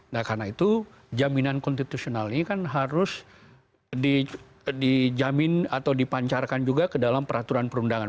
nah karena itu jaminan konstitusional ini kan harus dijamin atau dipancarkan juga ke dalam peraturan perundangan